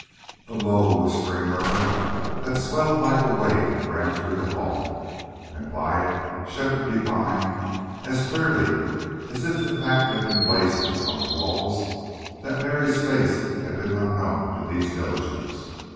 A low, whispering murmur that swelled like a wave ran through the hall. And by it Shefford divined, as clearly as if the fact had been blazoned on the walls, that Mary's face had been unknown to these villagers.